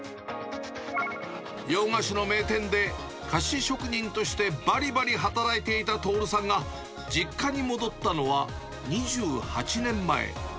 洋菓子の名店で菓子職人としてばりばり働いていた徹さんが、実家に戻ったのは２８年前。